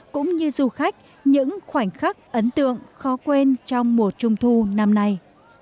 cũng như du khách những khoảnh khắc ấn tượng khó quên trong mùa trung thu năm nay